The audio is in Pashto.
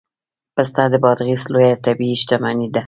پسته د بادغیس لویه طبیعي شتمني ده